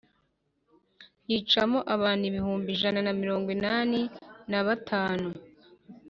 yicamo abantu ibihumbi ijana na mirongo inani na batanu.